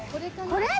これ？